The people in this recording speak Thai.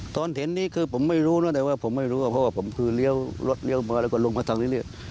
เห็นนี้คือผมไม่รู้นะแต่ว่าผมไม่รู้ว่าเพราะว่าผมคือเลี้ยวรถเลี้ยวมาแล้วก็ลงมาทางนี้เนี่ย